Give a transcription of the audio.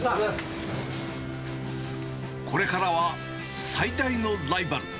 これからは最大のライバル。